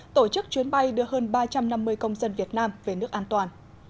tổ chức chuyến bay đưa hơn ba trăm năm mươi công dân việt nam về nước an toàn